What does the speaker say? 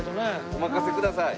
お任せください。